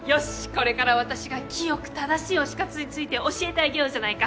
これから私が清く正しい推し活について教えてあげようじゃないか。